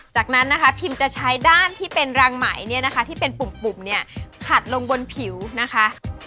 จากนั้นนะคะพิมจะใช้ด้านที่เป็นรังไหมเนี่ยนะคะที่เป็นปุ่มเนี่ยขัดลงบนผิวนะคะ